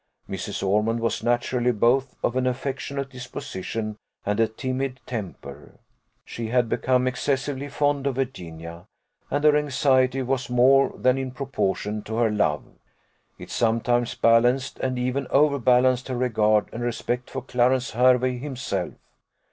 Mrs. Ormond was naturally both of an affectionate disposition and a timid temper; she had become excessively fond of Virginia, and her anxiety was more than in proportion to her love; it sometimes balanced and even overbalanced her regard and respect for Clarence Hervey himself.